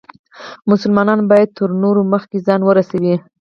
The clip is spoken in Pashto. مسلمان باید تر نورو مخکې ځان ورورسوي.